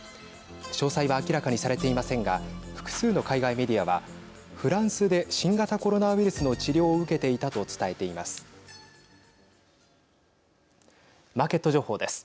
詳細は明らかにされていませんが複数の海外メディアはフランスで新型コロナウイルスの治療を受けていたと伝えています。